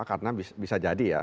karena bisa jadi ya